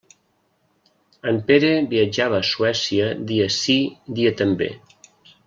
En Pere viatjava a Suècia dia sí, dia també.